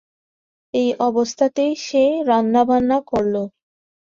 এই অবস্থাতেই সে রান্নাবান্না করল।